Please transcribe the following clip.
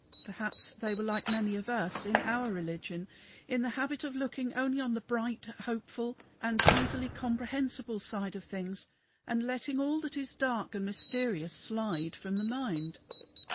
Perhaps they were like many of us, in our religion, in the habit of looking only on the bright, hopeful, and easily comprehensible side of things, and letting all that is dark and mysterious slide from the mind.